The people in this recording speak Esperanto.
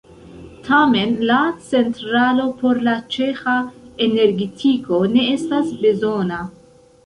Tamen la centralo por la ĉeĥa energetiko ne estas bezona.